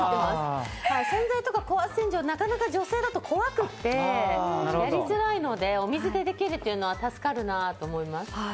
洗剤とか高圧洗浄って女性だとなかなか怖くってやりづらいので、お水でできるっていうのは助かるなと思いました。